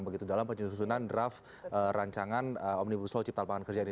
begitu dalam penyusunan draft rancangan omnibus law cipta pangan kerja ini